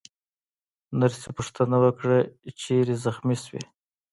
نرسې پوښتنه وکړه: چیرې زخمي شوې؟